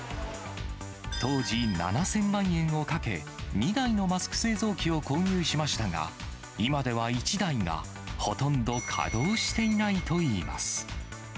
当時７０００万円をかけ、２台のマスク製造機を購入しましたが、今では１台がほとんど稼働していないといいます。